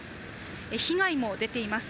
被害も出ています。